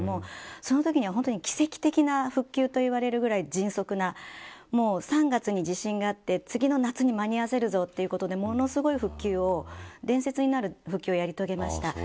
そのときには奇跡的な復旧といわれるぐらい迅速な３月に地震があって次の夏に間に合わせるぞということでものすごい復旧を伝説になる復旧をやり遂げました。